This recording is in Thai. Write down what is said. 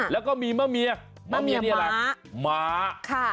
แล้วก็มีเมื่อเมียม้า